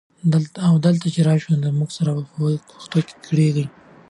او دلته چې راشي موږ سره به په پښتو ګړېیږي؛